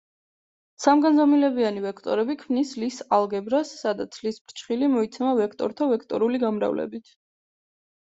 სამგანზომილებიანი ვექტორები ქმნიან ლის ალგებრას, სადაც ლის ფრჩხილი მოიცემა ვექტორთა ვექტორული გამრავლებით.